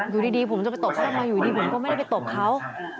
อยู่ดีผมจะไปตบเขาทำไมอยู่ดีผมก็ไม่ได้ไปตบเขา